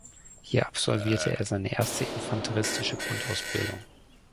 Hier absolvierte er seine erste infanteristische Grundausbildung.